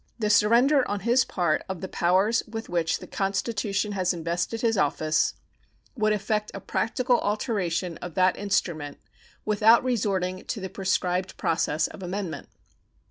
A surrender on his part of the powers with which the Constitution has invested his office would effect a practical alteration of that instrument without resorting to the prescribed process of amendment.